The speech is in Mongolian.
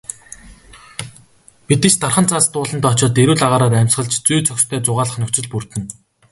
Бид ч дархан цаазат ууландаа очоод эрүүл агаараар амьсгалж, зүй зохистой зугаалах нөхцөл бүрдэнэ.